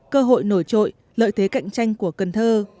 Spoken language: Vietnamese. cơ hội nổi trội lợi thế cạnh tranh của cần thơ